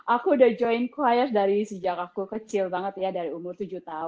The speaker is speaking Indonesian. aku sudah men ciri jiri kendaraan fl dari sejak kecil saya dapat perhatian cuara